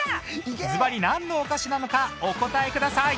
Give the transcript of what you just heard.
ずばりなんのお菓子なのかお答えください。